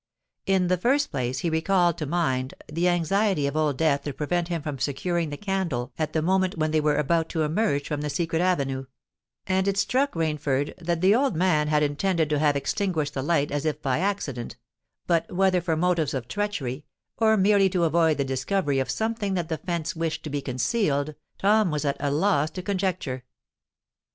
In the first place he recalled to mind the anxiety of Old Death to prevent him from securing the candle at the moment when they were about to emerge from the secret avenue; and it struck Rainford that the old man had intended to have extinguished the light as if by accident—but whether for motives of treachery, or merely to avoid the discovery of something that the fence wished to be concealed, Tom was at a loss to conjecture.